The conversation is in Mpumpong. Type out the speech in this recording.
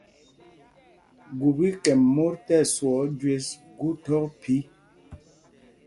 Gup í kɛm mot tí ɛswɔɔ jü gu thɔk phī.